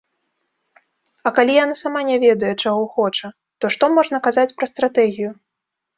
А калі яна сама не ведае, чаго хоча, то што можна казаць пра стратэгію?